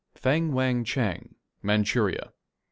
FENG WANG CHENG, MANCHURIA.